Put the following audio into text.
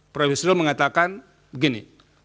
prof yusril mengatakan begini